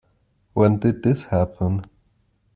When did this happen?